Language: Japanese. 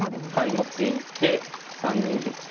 持っていって３二玉と。